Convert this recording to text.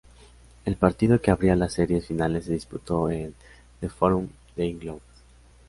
El partido que abría las series finales se disputó en The Forum de Inglewood.